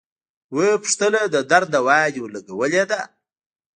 ويې پوښتله د درد دوا دې ورلګولې ده.